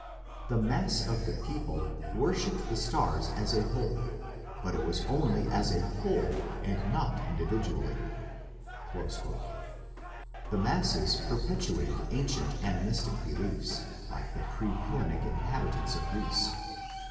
The mass of the people worshipped the stars as a whole, but it was only as a whole and not individually." The masses perpetuated ancient animistic beliefs, like the pre Hellenic inhabitants of Greece.